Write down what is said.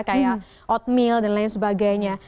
kayak oatmeal dan lain sebagainya